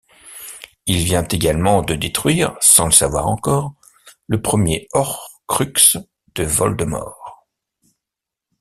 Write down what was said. Il vient également de détruire, sans le savoir encore, le premier horcruxe de Voldemort.